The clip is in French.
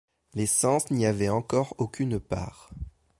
Les sens n’y avaient encore aucune part